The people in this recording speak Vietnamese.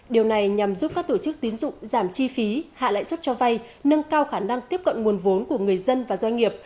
điều này nhằm giúp các tổ chức tín dụng giảm chi phí hạ lãi suất cho vay nâng cao khả năng tiếp cận nguồn vốn của người dân và doanh nghiệp